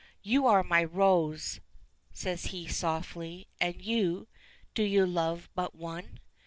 "You are my Rose," says he, softly. "And you do you love but one?"